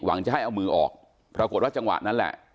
จะให้เอามือออกปรากฏว่าจังหวะนั้นแหละ